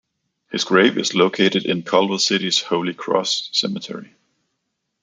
His grave is located in Culver City's Holy Cross Cemetery.